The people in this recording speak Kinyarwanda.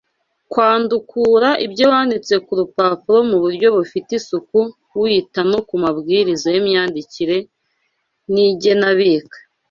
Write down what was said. Kwandukura ibyo wanditse ku rupapuro mu buryo bufite isuku wita no ku mabwiriza y’imyandikire n’igenabika